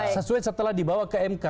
sesuai setelah dibawa ke mk